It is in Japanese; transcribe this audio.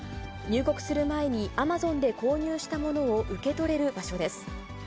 入国する前にアマゾンで購入したものを受け取れる場所です。